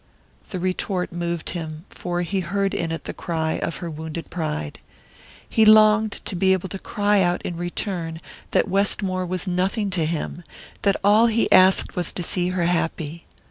The retort moved him, for he heard in it the cry of her wounded pride. He longed to be able to cry out in return that Westmore was nothing to him, that all he asked was to see her happy....